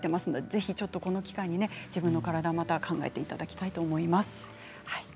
ぜひ、この機会に自分の体を考えていただきたいと思います。